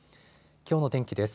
きょうの天気です。